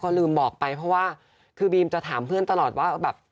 ลืมบอกไปเพราะว่าคือบีมจะถามเพื่อนตลอดว่าแบบ